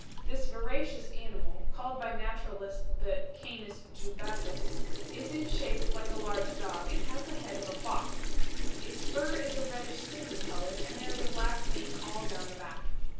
This voracious animal, called by naturalists the Canis jubatus, is in shape like a large dog, and has the head of a fox. Its fur is a reddish cinnamon color, and there is a black mane all down the back.